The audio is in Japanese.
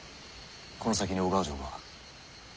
この先に小川城が。